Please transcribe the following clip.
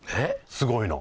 すごいの。